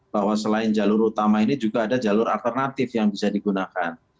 bahwa selain jalur utama ini juga ada jalur alternatif yang bisa digunakan